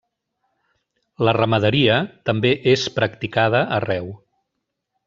La ramaderia també és practicada arreu.